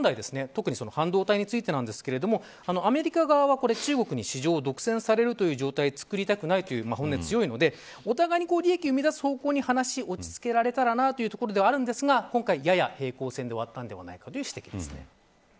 特に半導体についてですがアメリカ側は中国に市場を独占されたくないという本音が強いのでお互いに利益を生む方向に話をつけられたらなというところではあるんですが今回、やや平行線で終わったのではないかという指摘です。